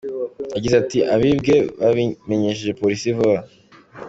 Ishyamba rimeze gutya gushakishamo ikintu mudafitanye gahunda.